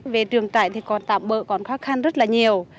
về trường trại thì còn tạm bỡ còn khó khăn rất là nhiều